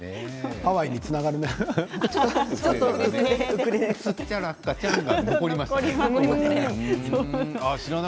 ハワイにつながるな。